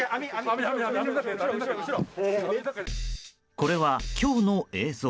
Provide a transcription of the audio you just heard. これは、今日の映像。